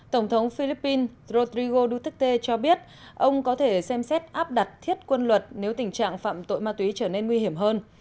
tổng thống philippines rodrigo duterte cho biết ông có thể xem xét áp đặt thiết quân luật nếu tình trạng phạm tội ma túy trở nên nguy hiểm hơn